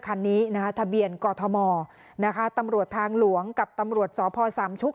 คันนี้นะคะทะเบียนกอทมนะคะตำรวจทางหลวงกับตำรวจสพสามชุก